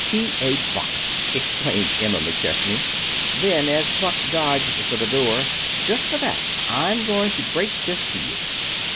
"T. A. Buck!" exclaimed Emma McChesney. Then, as Buck dodged for the door: "Just for that, I'm going to break this to you.